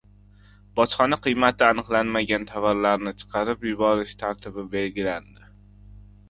Bojxona qiymati aniqlanmagan tovarlarni chiqarib yuborish tartibi belgilandi